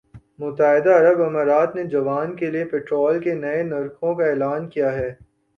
متحدہ عرب امارات نے جون کے لیے پٹرول کے نئے نرخوں کا اعلان کیا ہے